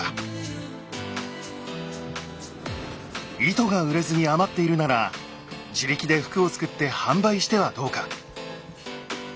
糸が売れずに余っているなら自力で服を作って販売してはどうか？